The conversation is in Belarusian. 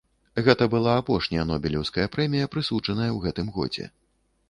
Гэта была апошняя нобелеўская прэмія, прысуджаная ў гэтым годзе.